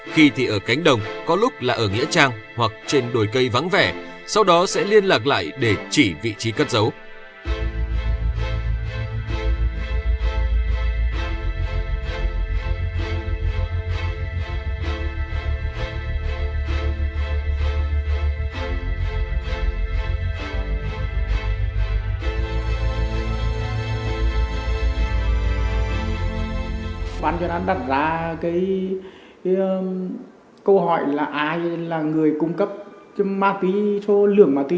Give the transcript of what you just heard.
khi thì ở cánh đồng có lúc là ở nghĩa trang hoặc trên đồi cây vắng vẻ sau đó sẽ liên lạc lại để chỉ vị trí cất giấu